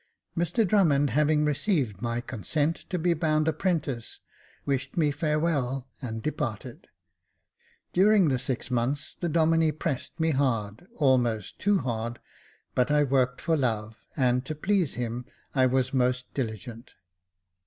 Mr Drummond having received my consent to be bound apprentice, wished me farewell, and departed During the six months, the Domine pressed me hard, almost too hard, but I worked for love, and to please him I was most diligent.